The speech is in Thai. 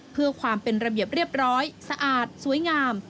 เพื่อความเป็นระเบียบเรียบร้อยสะอาดสวยงาม